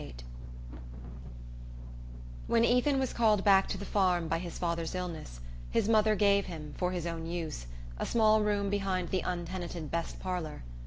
VIII When Ethan was called back to the farm by his father's illness his mother gave him, for his own use, a small room behind the untenanted "best parlour."